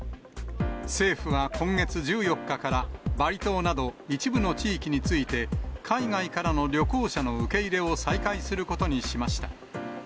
政府は今月１４日から、バリ島など一部の地域について、海外からの旅行者の受け入れを再開することにしました。